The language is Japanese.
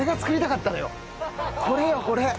これよこれ。